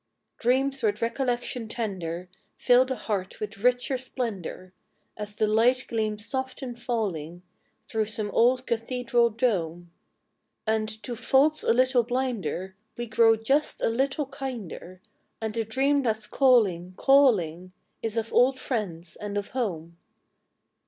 D REAMS \9ith recollection tender Fill the Heart Ntfith richer ' splendor, As the light gleams soft in jullinq Through some ola cathedral dome ; And, to faults a little blinder, ADe gt'oxtf just a little hinder, And the dream that's call inq, calling , old friends and o home.